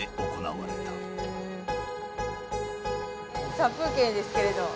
殺風景ですけれど。